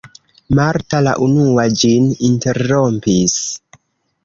Marta la unua ĝin interrompis.